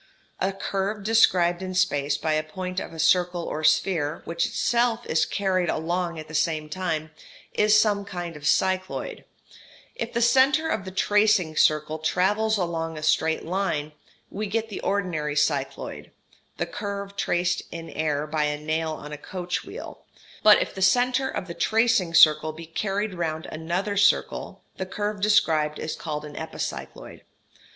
A curve described in space by a point of a circle or sphere, which itself is carried along at the same time, is some kind of cycloid; if the centre of the tracing circle travels along a straight line, we get the ordinary cycloid, the curve traced in air by a nail on a coach wheel; but if the centre of the tracing circle be carried round another circle the curve described is called an epicycloid.